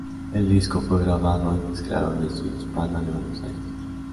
El disco fue grabado y mezclado en Estudios Panda, de Buenos Aires.